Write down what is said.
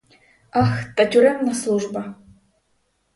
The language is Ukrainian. Ах, та тюремна служба!